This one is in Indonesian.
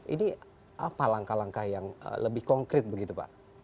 ini apa langkah langkah yang lebih konkret begitu pak